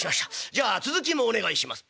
じゃあ続きもお願いします」。